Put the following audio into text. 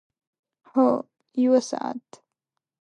هو، یوه ساعت